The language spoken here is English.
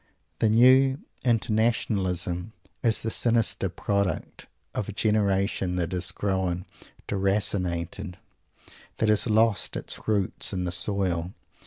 The new "inter nationalism" is the sinister product of a generation that has grown "deracinated," that has lost its roots in the soil.